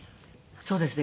そうですね。